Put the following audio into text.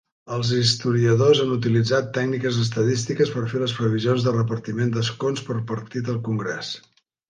Els historiadors han utilitzat tècniques estadístiques per fer les previsions de repartiment d'escons per partit al congrés.